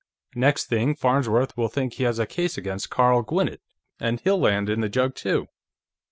Next thing, Farnsworth will think he has a case against Carl Gwinnett, and he'll land in the jug, too.